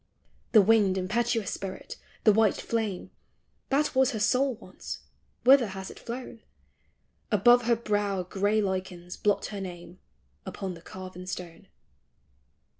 The winged impetuous spirit, the white flame That was her soul once, whither has it flown ? THOUGHT: POETRY: BOOK*. 347 Above her brow gray lichens blot her name Upon the carven stone.